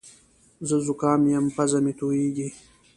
زه زوکام یم پزه مې تویېږې